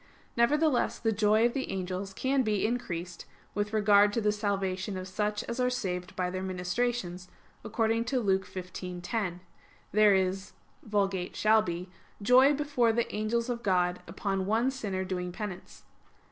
Nevertheless the joy of the angels can be increased with regard to the salvation of such as are saved by their ministrations, according to Luke 15:10: "There is [Vulg.'shall be'] joy before the angels of God upon one sinner doing penance."